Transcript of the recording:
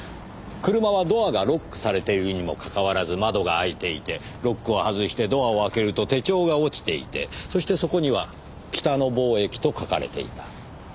車はドアがロックされているにもかかわらず窓が開いていてロックを外してドアを開けると手帳が落ちていてそしてそこには「北野貿易」と書かれていた。